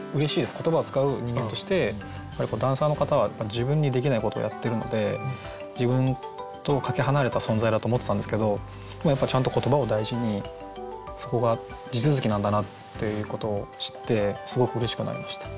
言葉を使う人間としてやっぱりダンサーの方は自分にできないことをやってるので自分とかけ離れた存在だと思ってたんですけどやっぱちゃんと言葉を大事にそこが地続きなんだなっていうことを知ってすごくうれしくなりました。